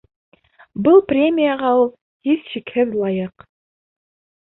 Был премияға ул, һис шикһеҙ, лайыҡ.